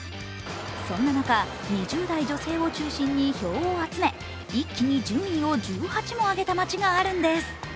そんな中、２０代女性を中心に票を集め一気に順位を１８も上げた街があるんです。